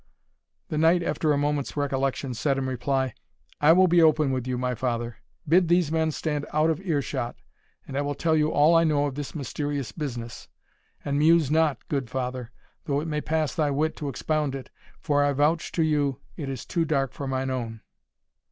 The knight, after a moment's recollection, said in reply, "I will be open with you, my father bid these men stand out of ear shot, and I will tell you all I know of this mysterious business; and muse not, good father, though it may pass thy wit to expound it, for I avouch to you it is too dark for mine own."